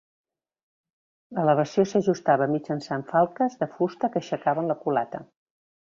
L'elevació s'ajustava mitjançant falques de fusta que aixecaven la culata.